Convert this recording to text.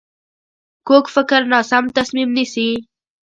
کوږ فکر ناسم تصمیم نیسي